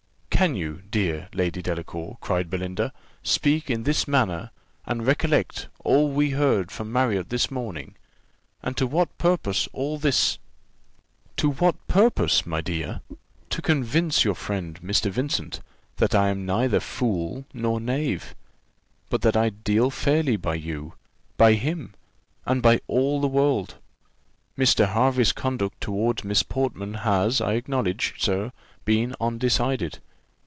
"Can you, dear Lady Delacour," cried Belinda, "speak in this manner, and recollect all we heard from Marriott this morning? And to what purpose all this?" "To what purpose, my dear? To convince your friend, Mr. Vincent, that I am neither fool nor knave; but that I deal fairly by you, by him, and by all the world. Mr. Hervey's conduct towards Miss Portman has, I acknowledge, sir, been undecided.